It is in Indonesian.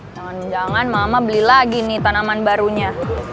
jangan jangan mama beli lagi nih tanaman barunya